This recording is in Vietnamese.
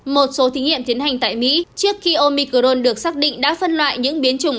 một số thí nghiệm tiến hành tại mỹ trước khi omicron được xác định đã phân loại những biến chủng